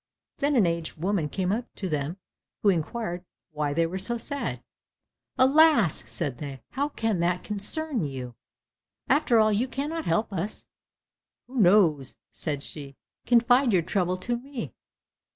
Then an aged woman came up to them who inquired why they were so sad? "Alas!" said they, "how can that concern you? After all, you cannot help us." "Who knows?" said she. "Confide your trouble to me."